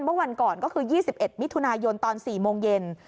เมื่อวันก่อนก็คือ๒๑มิถุนายนตอน๔โมงเย็น